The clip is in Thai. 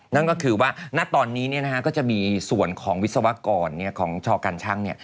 นั่นก็คือว่าณตอนนี้เนี่ยนะคะก็จะมีส่วนของวิศวกรเนี่ยของชอการช่างเนี่ย